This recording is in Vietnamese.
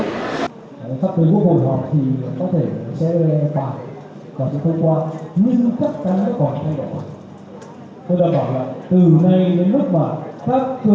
các quốc hội họ thì có thể sẽ phải và sẽ phương qua nhưng chắc chắn nó còn thay đổi